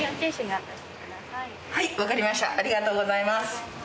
ありがとうございます。